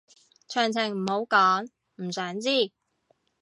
詳情唔好講，唔想知